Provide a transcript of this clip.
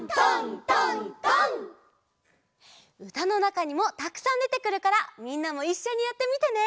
うたのなかにもたくさんでてくるからみんなもいっしょにやってみてね！